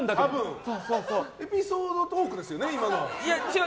エピソードトークですよね違う。